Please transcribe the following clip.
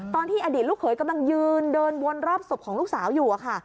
ตอนที่อดีตลูกเขยกำลังยืนเดินวนรอบศพของลูกสาวอยู่อะค่ะ